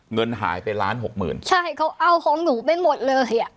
เงินหายไปล้านหกหมื่นใช่เขาเอาของหนูไปหมดเลยอ่ะ